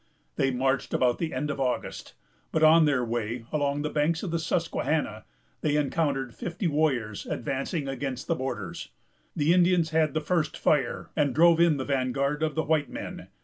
They marched about the end of August; but on their way along the banks of the Susquehanna, they encountered fifty warriors, advancing against the borders. The Indians had the first fire, and drove in the vanguard of the white men.